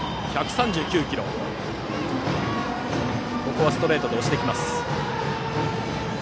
ここはストレートで押してきます。